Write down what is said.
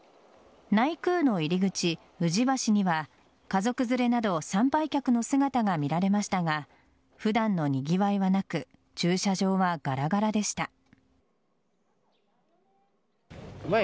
内宮の入口・宇治橋には家族連れなど参拝客の姿が見られましたが普段のにぎわいはなく駐車場はガラガラでした。